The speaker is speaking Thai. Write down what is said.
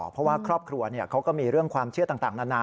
เพราะว่าครอบครัวเขาก็มีเรื่องความเชื่อต่างนานา